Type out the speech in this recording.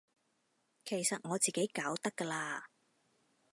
其實我自己搞得㗎喇